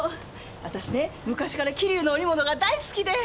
私ね昔から桐生の織物が大好きで！